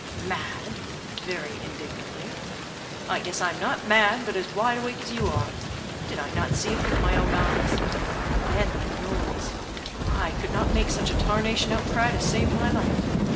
"Mad!" (very indignantly) "I guess I'm not mad, but as wide awake as you are. Did I not see it with my own eyes? And then the noise I could not make such a tarnation outcry to save my life.